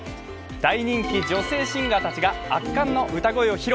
大人気女性シンガーたちが圧巻の歌声を披露。